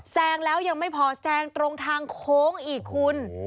แล้วยังไม่พอแซงตรงทางโค้งอีกคุณ